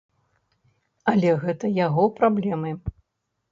Але гэта яго праблемы.